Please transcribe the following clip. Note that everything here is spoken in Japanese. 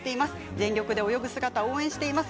全力で泳ぐ姿、応援しています。